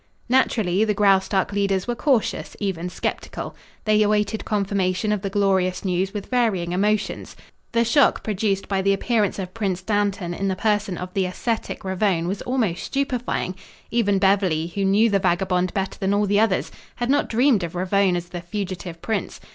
Naturally the Graustark leaders were cautious, even skeptical. They awaited confirmation of the glorious news with varying emotions. The shock produced by the appearance of Prince Dantan in the person of the ascetic Ravone was almost stupefying. Even Beverly, who knew the vagabond better than all the others, had not dreamed of Ravone as the fugitive prince.